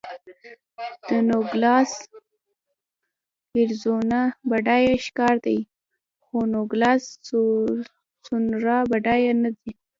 د نوګالس اریزونا بډایه ښار دی، خو نوګالس سونورا بډایه نه دی.